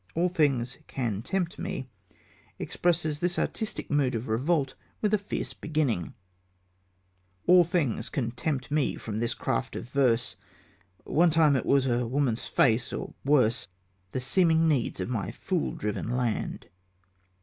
All Things can Tempt Me expresses this artistic mood of revolt with its fierce beginning: All things can tempt me from this craft of verse; One time it was a woman's face, or worse, The seeming needs of my fool driven land.